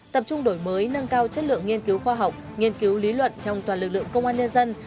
tập trung đổi mới nâng cao chất lượng nghiên cứu khoa học nghiên cứu lý luận trong toàn lực lượng công an nhân dân